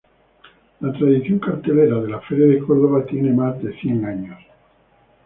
La tradición cartelera de la Feria de Córdoba tiene más de cien años.